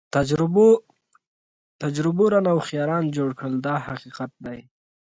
تجربو رانه هوښیاران جوړ کړل دا حقیقت دی.